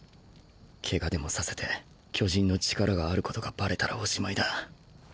怪我でもさせて巨人の力があることがバレたらおしまいだ。